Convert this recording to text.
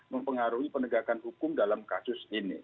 mempengaruhi penegakan hukum dalam kasus ini